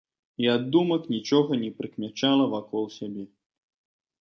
І ад думак нічога не прыкмячала вакол сябе.